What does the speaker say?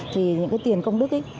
thì những cái tiền công đức ấy